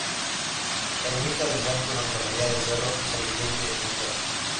Ermita del Santo: Santa María del Cerro y San Miguel de Otero.